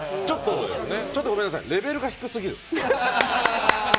ちょっとごめんなさい、レベルが低すぎる。